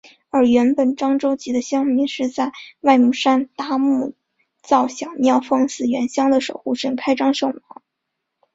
而原本漳州籍的乡民是在外木山搭木造小庙奉祀原乡的守护神开漳圣王。